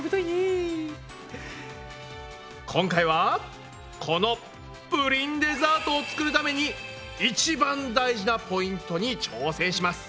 今回はこのプリンデザートを作るために一番大事なポイントに挑戦します。